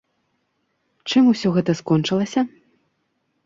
Чым усё гэта скончылася?